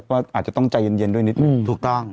ก็อาจจะต้องใจเย็นด้วยนิดนึง